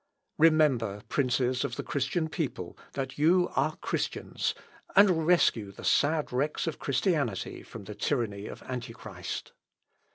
Remember, princes of the Christian people, that you are Christians, and rescue the sad wrecks of Christianity from the tyranny of Antichrist.